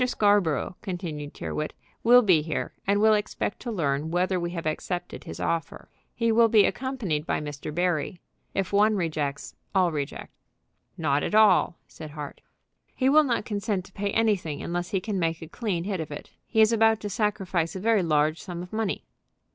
Scarborough," continued Tyrrwhit, "will be here, and will expect to learn whether we have accepted his offer. He will be accompanied by Mr. Barry. If one rejects, all reject." "Not at all," said Hart. "He will not consent to pay anything unless he can make a clean hit of it. He is about to sacrifice a very large sum of money."